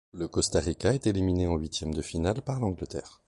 Le Costa Rica est éliminé en huitièmes de finale par l'Angleterre.